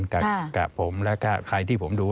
กับผมแล้วก็ใครที่ผมดู